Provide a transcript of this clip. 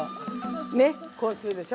ねこうするでしょ。